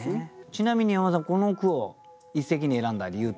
ちなみに山田さんこの句を一席に選んだ理由っていうのは？